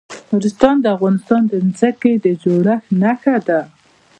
نورستان د افغانستان د ځمکې د جوړښت نښه ده.